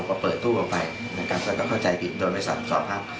คงจะเอาเปิดตู้เข้าไปแล้วก็เข้าใจผิดโดยไม่สอบศอบภาพ